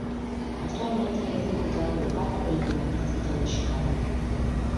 Actualmente es diputado local por el primer distrito de Yucatán.